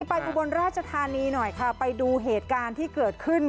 อุบลราชธานีหน่อยค่ะไปดูเหตุการณ์ที่เกิดขึ้น